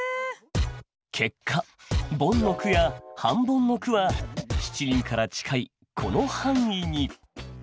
結果ボンの句や半ボンの句は「七輪」から近いこの範囲に。